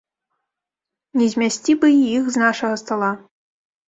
Не змясці бы і іх з нашага стала.